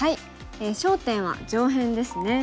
焦点は上辺ですね。